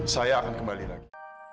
saya akan kembali lagi